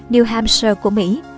new hampshire của mỹ